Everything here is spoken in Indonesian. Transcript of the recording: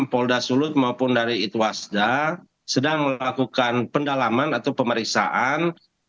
polda sulut maupun dari itwasda sedang melakukan pendalaman atau pemeriksaan